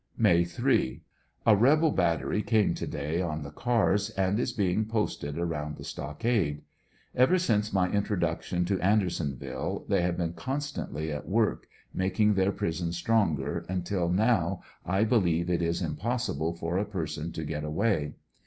May 3. — A rebel battery came to day on the cars, and is being posted around the stockade. Ever since my introduction to Ander son ville the}^ have been constantly at work makin,^ their prison stronger, until now I believe it is impossible for a person to get away.